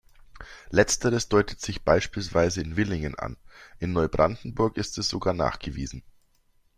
Letzteres deutet sich beispielsweise in Villingen an; in Neubrandenburg ist es sogar nachgewiesen.